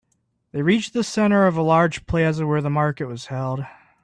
They reached the center of a large plaza where the market was held.